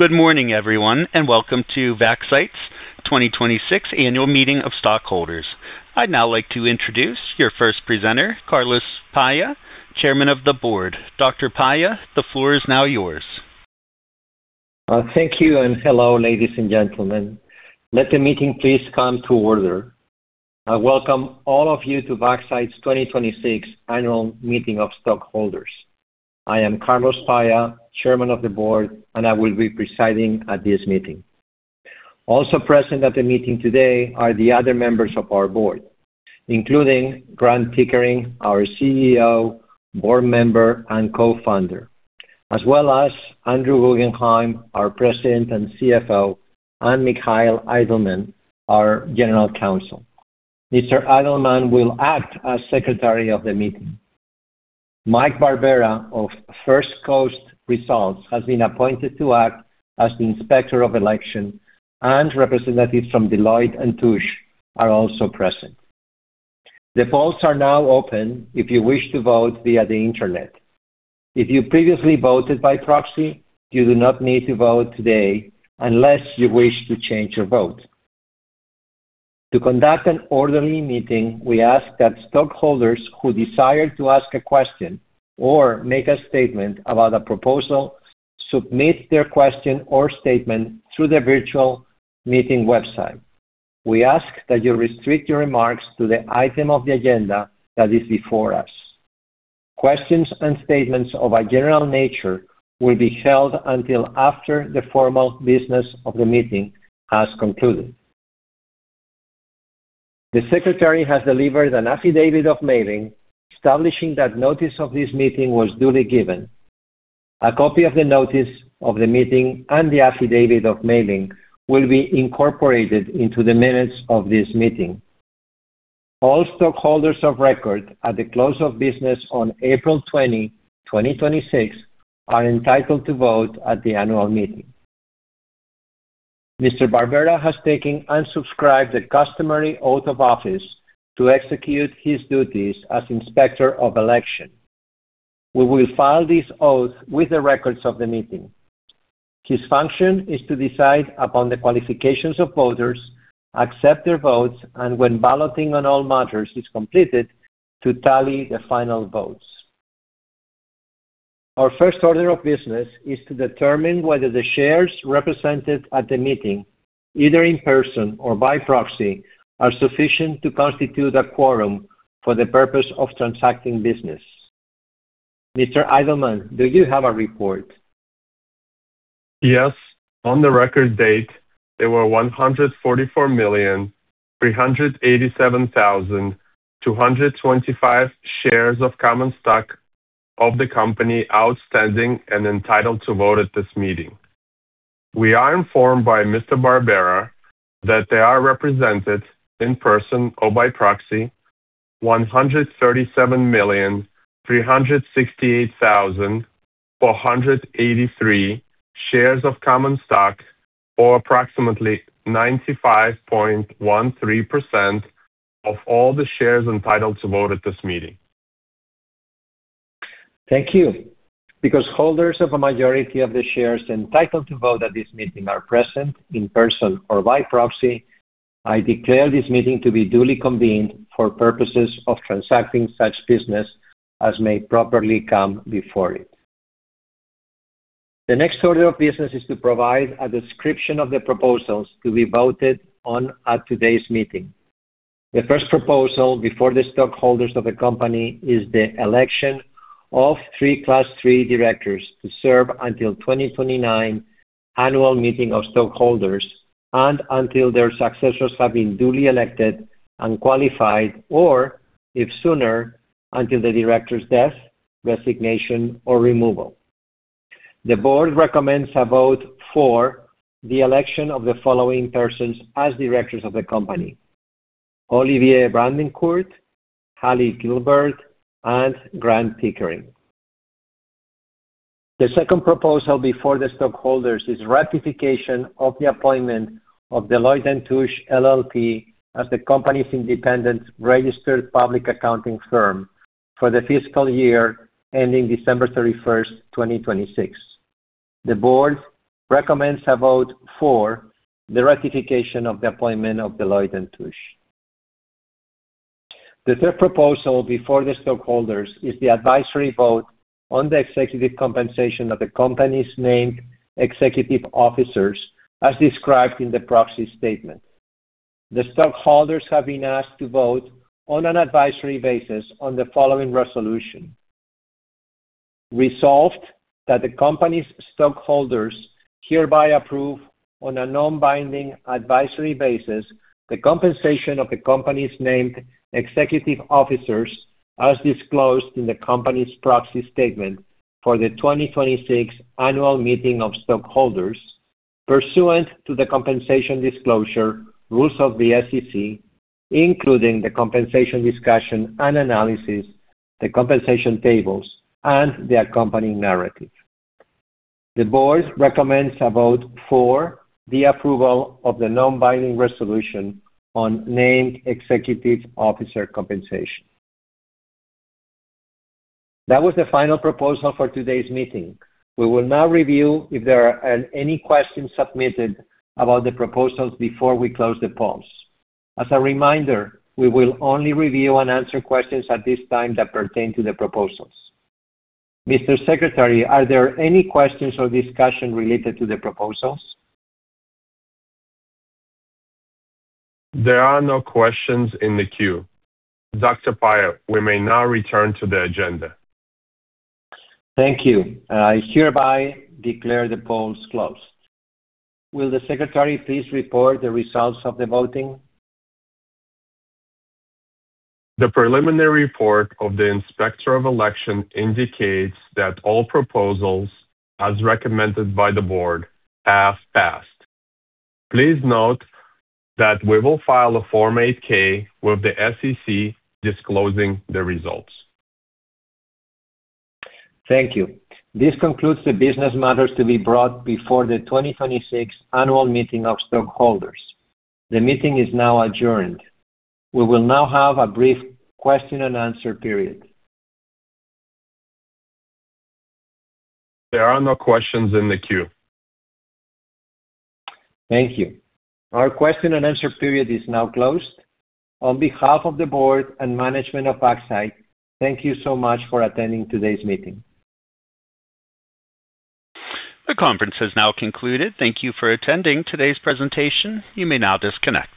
Good morning, everyone, and welcome to Vaxcyte's 2026 Annual Meeting of Stockholders. I'd now like to introduce your first presenter, Carlos Paya, Chairman of the Board. Dr. Paya, the floor is now yours. Thank you, and hello, ladies and gentlemen. Let the meeting please come to order. I welcome all of you to Vaxcyte's 2026 Annual Meeting of Stockholders. I am Carlos Paya, Chairman of the Board, and I will be presiding at this meeting. Also present at the meeting today are the other members of our board, including Grant Pickering, our CEO, Board Member, and Co-Founder, as well as Andrew Guggenhime, our President and CFO, and Mikhail Eydelman, our General Counsel. Mr. Eydelman will act as secretary of the meeting. Mike Barbera of First Coast Results has been appointed to act as the Inspector of Election, and representatives from Deloitte & Touche are also present. The polls are now open if you wish to vote via the Internet. If you previously voted by proxy, you do not need to vote today unless you wish to change your vote. To conduct an orderly meeting, we ask that stockholders who desire to ask a question or make a statement about a proposal submit their question or statement through the virtual meeting website. We ask that you restrict your remarks to the item of the agenda that is before us. Questions and statements of a general nature will be held until after the formal business of the meeting has concluded. The secretary has delivered an affidavit of mailing establishing that notice of this meeting was duly given. A copy of the notice of the meeting and the affidavit of mailing will be incorporated into the minutes of this meeting. All stockholders of record at the close of business on April 20, 2026, are entitled to vote at the annual meeting. Mr. Barbera has taken and subscribed the customary oath of office to execute his duties as Inspector of Election. We will file this oath with the records of the meeting. His function is to decide upon the qualifications of voters, accept their votes, and when balloting on all matters is completed, to tally the final votes. Our first order of business is to determine whether the shares represented at the meeting, either in person or by proxy, are sufficient to constitute a quorum for the purpose of transacting business. Mr. Eydelman, do you have a report? Yes. On the record date, there were 144,387,225 shares of common stock of the company outstanding and entitled to vote at this meeting. We are informed by Mr. Barbera that there are represented, in person or by proxy, 137,368,483 shares of common stock, or approximately 95.13% of all the shares entitled to vote at this meeting. Thank you. Because holders of a majority of the shares entitled to vote at this meeting are present in person or by proxy, I declare this meeting to be duly convened for purposes of transacting such business as may properly come before it. The next order of business is to provide a description of the proposals to be voted on at today's meeting. The first proposal before the stockholders of the company is the election of three Class III directors to serve until 2029 Annual Meeting of Stockholders and until their successors have been duly elected and qualified, or if sooner, until the director's death, resignation, or removal. The board recommends a vote for the election of the following persons as directors of the company: Olivier Brandicourt, Halley Gilbert, and Grant Pickering. The second proposal before the stockholders is ratification of the appointment of Deloitte & Touche LLP as the company's independent registered public accounting firm for the fiscal year ending December 31st, 2026. The board recommends a vote for the ratification of the appointment of Deloitte & Touche. The third proposal before the stockholders is the advisory vote on the executive compensation of the company's named executive officers as described in the proxy statement. The stockholders have been asked to vote on an advisory basis on the following resolution. Resolved that the company's stockholders hereby approve on a non-binding advisory basis the compensation of the company's named executive officers as disclosed in the company's proxy statement for the 2026 Annual Meeting of Stockholders pursuant to the compensation disclosure rules of the SEC, including the compensation discussion and analysis, the compensation tables, and the accompanying narrative. The board recommends a vote for the approval of the non-binding resolution on named executive officer compensation. That was the final proposal for today's meeting. We will now review if there are any questions submitted about the proposals before we close the polls. As a reminder, we will only review and answer questions at this time that pertain to the proposals. Mr. Secretary, are there any questions or discussion related to the proposals? There are no questions in the queue. Dr. Paya, we may now return to the agenda. Thank you. I hereby declare the polls closed. Will the Secretary please report the results of the voting? The preliminary report of the Inspector of Election indicates that all proposals, as recommended by the board, have passed. Please note that we will file a Form 8-K with the SEC disclosing the results. Thank you. This concludes the business matters to be brought before the 2026 Annual Meeting of Stockholders. The meeting is now adjourned. We will now have a brief question and answer period. There are no questions in the queue. Thank you. Our question and answer period is now closed. On behalf of the board and management of Vaxcyte, thank you so much for attending today's meeting. The conference has now concluded. Thank you for attending today's presentation. You may now disconnect.